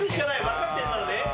分かってんならね。